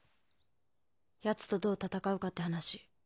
奴とどう戦うかって話。